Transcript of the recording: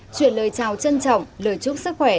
chuyển lời chào trân trọng lời chúc sức khỏe